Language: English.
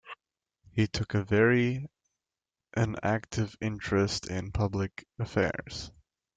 He took a very an active interest in public affairs.